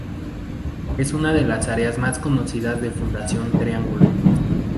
Es una de las áreas más conocidas de Fundación Triángulo.